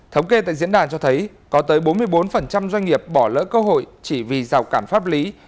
thống kê tại diễn đàn cho thấy có tới bốn mươi bốn doanh nghiệp bỏ lỡ cơ hội chỉ vì rào cản pháp lý